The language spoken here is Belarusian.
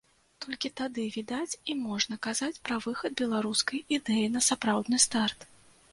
Толькі тады, відаць, і можна казаць пра выхад беларускай ідэі на сапраўдны старт.